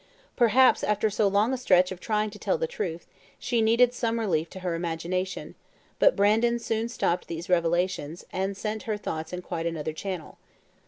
Perhaps, after so long a stretch of trying to tell the truth, she needed some relief to her imagination; but Brandon soon stopped these revelations, and sent her thoughts in quite another channel.